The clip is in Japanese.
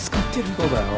そうだよ。